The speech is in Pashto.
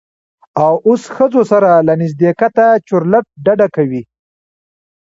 او اوس ښځو سره له نږدیکته چورلټ ډډه کوي.